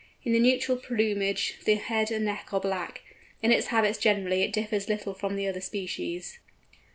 In the nuptial plumage the head and neck are black. In its habits generally it differs little from the other species.